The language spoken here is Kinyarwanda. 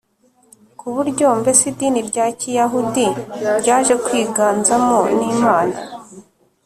ku buryo mbese idini rya Kiyahudi ryaje kwiganzamo n Imana